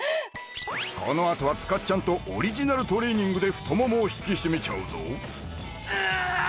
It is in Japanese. このあとは塚ちゃんとオリジナルトレーニングで太ももを引き締めちゃうぞうーんっ